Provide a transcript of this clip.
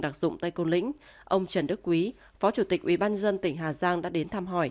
đặc dụng tây côn lĩnh ông trần đức quý phó chủ tịch ubnd tỉnh hà giang đã đến thăm hỏi